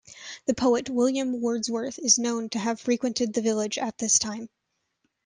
The poet, William Wordsworth, is known to have frequented the village at this time.